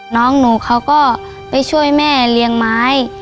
น้องหนูเขาก็ไปช่วยแม่เลี้ยงไม้